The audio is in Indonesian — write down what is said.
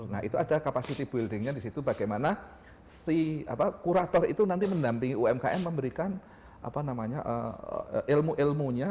nah itu ada kapasitifitasnya disitu bagaimana si kurator itu nanti menampingi umkm memberikan ilmu ilmunya